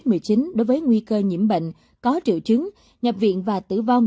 covid một mươi chín đối với nguy cơ nhiễm bệnh có triệu chứng nhập viện và tử vong